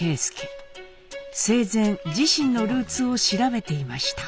生前自身のルーツを調べていました。